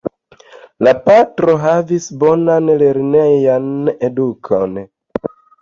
La patro havis bonan lernejan edukon.